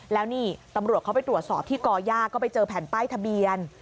แล้วนี่ตำรวจเขาไปตรวจสอบที่ก่อย่าก็ไปเจอแผ่นป้ายทะเบียน